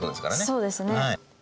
そうですね。